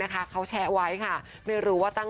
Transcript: ภาพเบอร์จริง